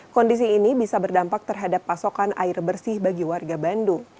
kondisi ini bisa berdampak terhadap pasokan air bersih bagi warga bandung